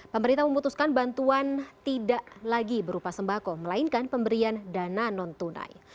pemerintah memutuskan bantuan tidak lagi berupa sembako melainkan pemberian dana non tunai